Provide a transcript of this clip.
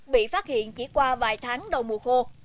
bị phát hiện chỉ qua vài tháng đầu mùa khô